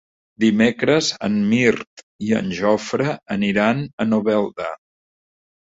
Dimecres en Mirt i en Jofre aniran a Novelda.